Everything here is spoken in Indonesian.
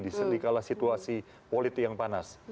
diselikalah situasi politik yang panas